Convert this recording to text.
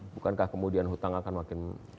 bukankah kemudian hutang akan makin